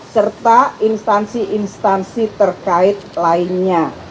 serta instansi instansi terkait lainnya